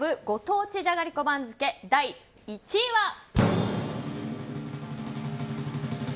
ご当地じゃがりこ番付第１位は。